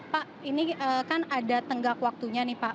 pak ini kan ada tenggak waktunya nih pak